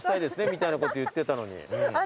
みたいなこと言ってたのに。